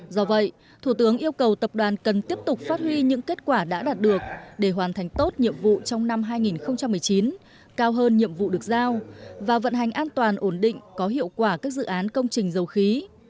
do vậy thủ tướng yêu cầu tập đoàn cần tiếp tục phát huy những kết quả đã đạt được để hoàn thành tốt nhiệm vụ trong năm hai nghìn một mươi chín cao hơn nhiệm vụ được giao và vận hành an toàn ổn định có hiệu quả các dự án công trình dầu khí